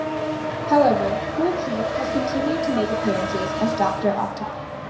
However, Kool Keith has continued to make appearances as Doctor Octagon.